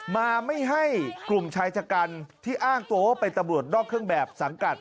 มาไม่ให้กลุ่มชายชะกันที่อ้างตัวว่าเป็นตำรวจนอกเครื่องแบบสังกัด